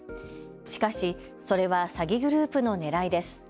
しかしそれは詐欺グループのねらいです。